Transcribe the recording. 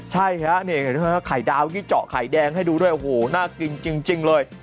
ใช่ค่ะไข่ดาวแค่เจาะไข่แดงให้ดูด้วยโห้น่ากินจริงเลย